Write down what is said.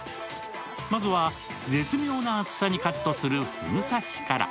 まずは絶妙な厚さにカットするふぐ刺しから。